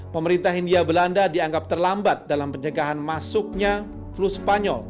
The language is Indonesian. pemerintah hindia belanda dianggap terlambat dalam pencegahan masuknya flu spanyol